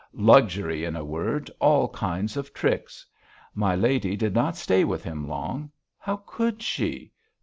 Luxury, in a word, all kinds of tricks. My lady did not stay with him long. How could she?